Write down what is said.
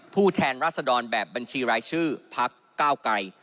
แทนรัศดรแบบบัญชีรายชื่อพักเก้าไกร